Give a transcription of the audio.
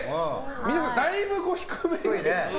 皆さん、だいぶ低めに。